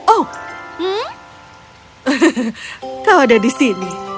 oh kau ada di sini